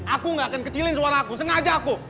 aku gak akan kecilin suara aku sengaja aku